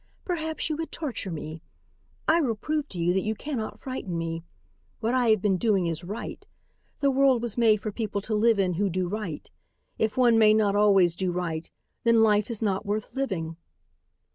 Perhaps you would torture me. I will prove to you that you cannot frighten me. What I have been doing is right. The world was made for people to live in who do right. If one may not always do right, then life is not worth living."